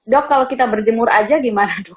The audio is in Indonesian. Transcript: dok kalau kita berjemur aja gimana dok